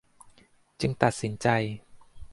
จึงตัดสินใจ